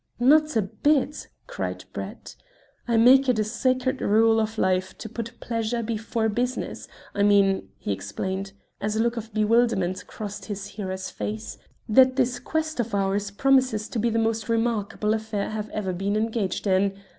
"Not a bit," cried Brett. "I make it a sacred rule of life to put pleasure before business. I mean," he explained, as a look of bewilderment crossed his hearer's face, "that this quest of ours promises to be the most remarkable affair I have ever been engaged in.